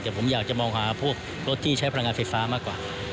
แต่ผมอยากจะมองหาพวกรถที่ใช้พลังงานไฟฟ้ามากกว่า